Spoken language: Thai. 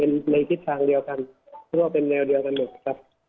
เป็นในทิศทางเดียวกันเพราะว่าเป็นแนวเดียวกันหมดครับ